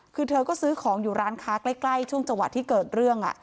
คือเธอก็ซื้อของอยู่ร้านค้าใกล้ช่วงจังหวะที่เกิดเรื่อง